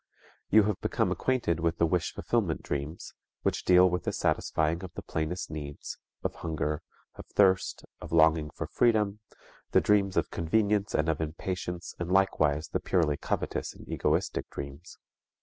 You have become acquainted with the wish fulfillment dreams, which deal with the satisfying of the plainest needs, of hunger, of thirst, of longing for freedom, the dreams of convenience and of impatience and likewise the purely covetous and egoistic dreams.